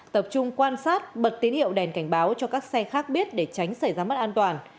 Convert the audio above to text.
tập trung quan sát bật tín hiệu đèn cảnh báo cho các xe khác biết để tránh xảy ra mất an toàn